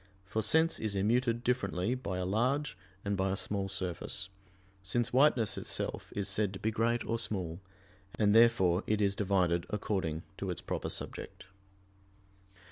For sense is immuted differently by a large and by a small surface: since whiteness itself is said to be great or small, and therefore it is divided according to its proper subject.